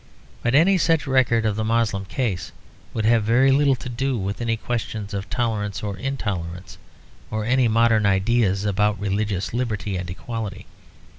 But any such real record of the Moslem case would have very little to do with any questions of tolerance or intolerance, or any modern ideas about religious liberty and equality.